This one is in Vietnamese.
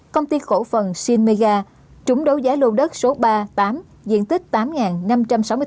công ty khổ phần sinmega trúng đấu giá lô đất số ba tám diện tích tám năm trăm sáu mươi tám một m hai